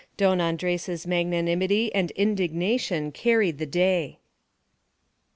Don Andres's magnanimity and indignation carried the day.